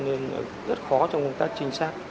nên rất khó trong công tác trinh sát